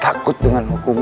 takut dengan hukumnya